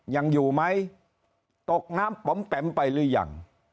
ยังอยู่ไหมตกน้ำป๋อมแปมไปหรือยัง